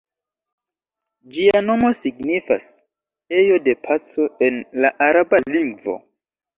Ĝia nomo signifas "ejo de paco" en la araba lingvo.